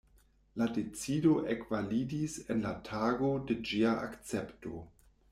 La decido ekvalidis en la tago de ĝia akcepto.